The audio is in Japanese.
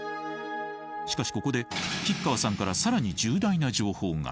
しかしここで吉川さんから更に重大な情報が。